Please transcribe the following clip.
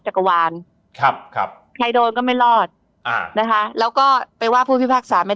จักรวาลครับครับใครโดนก็ไม่รอดอ่านะคะแล้วก็ไปว่าผู้พิพากษาไม่